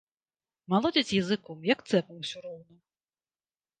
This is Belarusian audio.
Малоціць языком, як цэпам усё роўна.